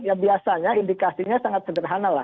ya biasanya indikasinya sangat sederhana lah